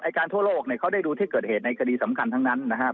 การทั่วโลกเนี่ยเขาได้ดูที่เกิดเหตุในคดีสำคัญทั้งนั้นนะครับ